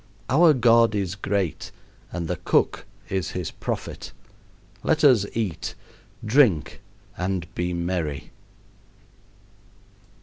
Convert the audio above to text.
Our God is great and the cook is his prophet. Let us eat, drink, and be merry.